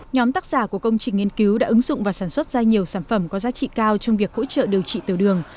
nhóm tác giả của công trình nghiên cứu đã ứng dụng và sản xuất ra nhiều sản phẩm có giá trị cao trong việc hỗ trợ điều trị tiểu đường